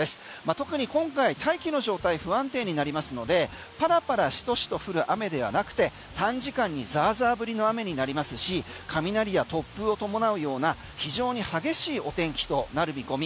特に今回大気の状態不安定になりますのでパラパラ、しとしと降る雨ではなくて短時間にザーザー降りの雨になりますし雷や突風を伴うような非常に激しいお天気となる見込み。